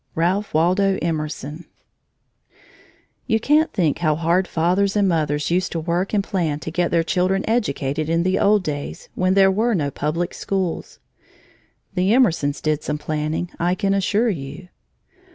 RALPH WALDO EMERSON You can't think how hard fathers and mothers used to work and plan to get their children educated in the old days when there were no public schools. The Emersons did some planning, I can assure you.